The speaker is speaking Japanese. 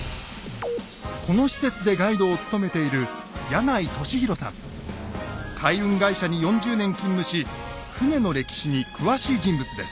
この施設でガイドを務めている海運会社に４０年勤務し船の歴史に詳しい人物です。